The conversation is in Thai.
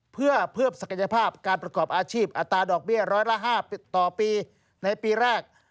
เพื่อเพิ่มศักยภาพการประกอบอาชีพอัตราดอกเบี้ยร้อยละ๕ต่อปีในปีแรก